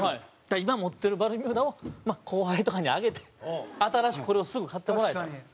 今持ってるバルミューダを後輩とかにあげて新しく、これをすぐ買ってもらって。